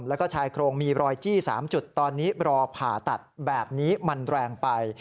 แล้วก็ชายโครงมีรอยจี้๓จุดตอนนี้รอผ่าตัดแบบนี้มันแรงไป